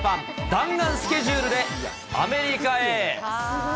弾丸スケジュールでアメリカへ。